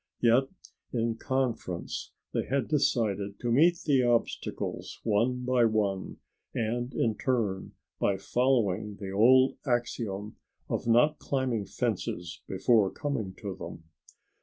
Yet in conference they had decided to meet the obstacles one by one and in turn by following the old axiom of not climbing fences before coming to them.